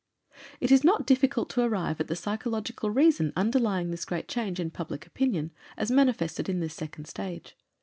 It is not difficult to arrive at the psychological reason underlying this great change in public opinion, as manifested in this second stage.